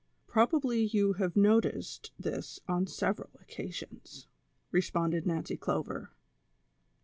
Probably you have noticed this on several occasions," responded Nancy Clover.